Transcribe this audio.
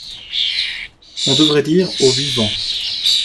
On devrait dire «aux huit vents».